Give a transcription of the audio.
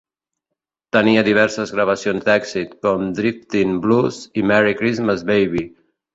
Tenia diverses gravacions d'èxit, com Driftin' Blues i Merry Christmas Baby.